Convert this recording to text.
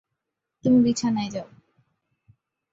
তুমি বিছানায় যাও।